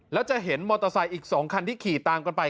แล้วจะเห็นมอเตอร์ไซค์อีก๒คันที่ขี่ตามกันไป